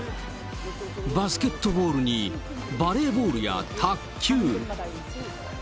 バスケットボールに、バレーボールや卓球。